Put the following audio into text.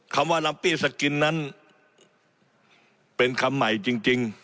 คำว่าลัมปี้สกินนั้นเป็นคำใหม่จริง